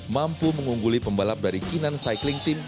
mampu mengungguli pembalap dari kinan cycling team